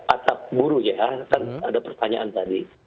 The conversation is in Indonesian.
atap buruh ya kan ada pertanyaan tadi